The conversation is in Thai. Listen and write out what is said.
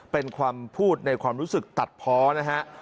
เป็นความพูดในความรู้สึกตัดเพาะนะฮะ